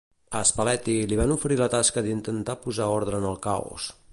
A Spalletti li van oferir la tasca d'intentar posar ordre en el caos.